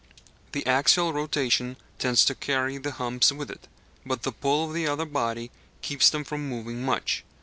The axial rotation tends to carry the humps with it, but the pull of the other body keeps them from moving much.